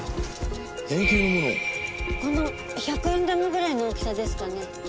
この１００円玉ぐらいの大きさですかね？